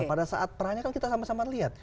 nah pada saat pra nya kan kita sama sama lihat